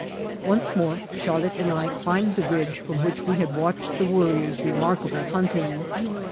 Once more Charlotte and I climbed the ridge from which we had watched the Worrier's remarkable hunt ing.